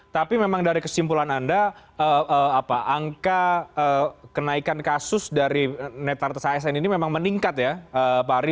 tapi memang dari kesimpulan anda angka kenaikan kasus dari netartes asn ini memang meningkat ya pak ari